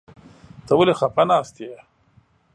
ته ولې خپه ناست يې ؟